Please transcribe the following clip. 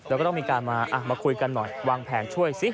แล้วก็ต้องมีการมาคุยกันหน่อยวางแผนช่วยซิ